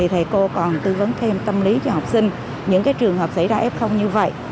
thầy cô còn tư vấn thêm tâm lý cho học sinh những trường hợp xảy ra f như vậy